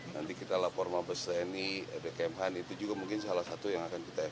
nanti kita lapor mabes tni bkmhan itu juga mungkin salah satu yang akan kita evaluasi